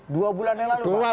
dua bulan yang lalu